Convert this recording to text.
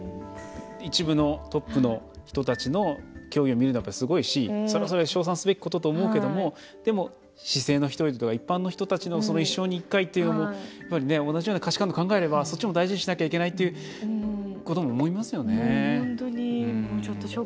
一部のトップの人たちの競技を見るのもすごいしそれはそれで称賛すべきことと思うけどもでも市井の人々、一般の人たちの一生に１回というのも同じような価値観と考えればそっちも大事にしなければいけないということも思いますよね。